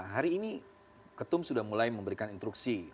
hari ini ketum sudah mulai memberikan instruksi